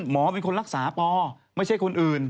หมอเป็นคนรักษาปอไม่ใช่คนอื่น